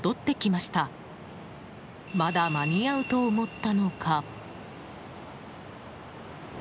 まだ間に合うと思ったのか。